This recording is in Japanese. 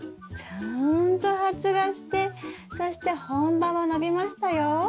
ちゃんと発芽してそして本葉も伸びましたよ。